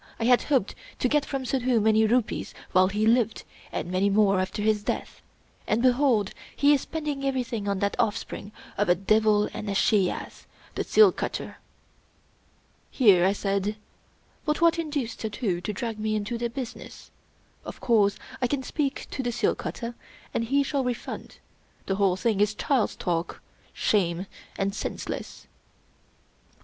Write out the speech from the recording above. I had hoped to get from Suddhoo many rupees while he lived, and many more after his death; and behold, he is spending everything on that offspring of a devil and a she ass, the seal cutter!" Here I said: "But what induced Suddhoo to drag me into the business? Of course I can speak to the seal cutter, and he shall refund. The whole thing is child's talk — shame — and senseless."